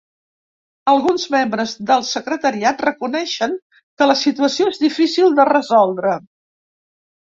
Alguns membres del secretariat reconeixen que la situació és difícil de resoldre.